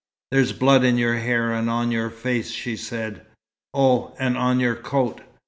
"There's blood in your hair and on your face," she said. "Oh, and on your coat.